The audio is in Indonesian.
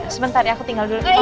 sebentar ya aku tinggal dulu